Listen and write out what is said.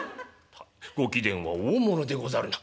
「ご貴殿は大物でござるな。